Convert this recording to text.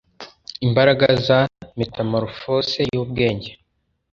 Imbaraga za metamorphose yubwenge